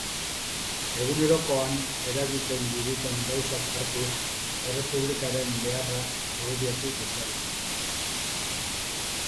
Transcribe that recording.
Egunerokoan eragiten diguten gauzak hartuz, Errepublikaren beharra argudiatu dezagun.